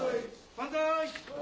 万歳。